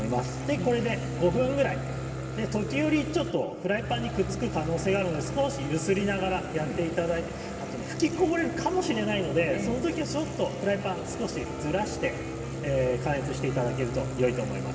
これで５分ぐらい時折ちょっとフライパンにくっつく可能性があるので少し揺すりながらやっていただいてあと吹きこぼれるかもしれないのでそのときはちょっとフライパンを少しずらして加熱していただけるといいと思います。